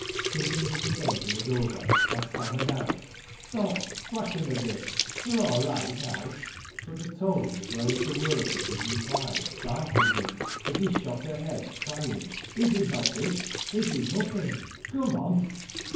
Thinking that the danger was over, I stammered out, " Stop! Slacken a bitl We're all right now !" But the tone, as well as the words of his reply, startled me, as he shot ahead, crying, " This is not it! This is nothing! Come on!